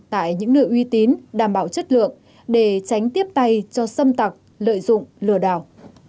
tại những nơi uy tín đảm bảo chất lượng để tránh tiếp tay cho xâm tặc lợi dụng lừa đảo